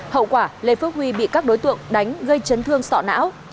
hậu quả lê phước huy bị các đối tượng đánh gây chấn thương sọ não